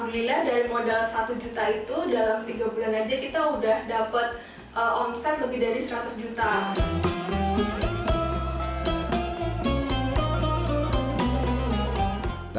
alhamdulillah dari modal satu juta itu dalam tiga bulan aja kita udah dapat omset lebih dari seratus juta